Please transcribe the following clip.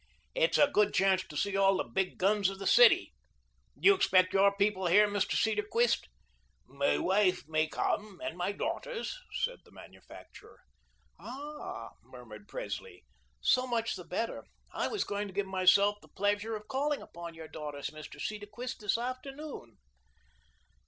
It's a good chance to see all the big guns of the city. Do you expect your people here, Mr. Cedarquist?" "My wife may come, and my daughters," said the manufacturer. "Ah," murmured Presley, "so much the better. I was going to give myself the pleasure of calling upon your daughters, Mr. Cedarquist, this afternoon."